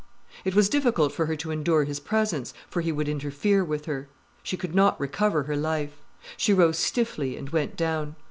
It was difficult for her to endure his presence, for he would interfere with her. She could not recover her life. She rose stiffly and went down.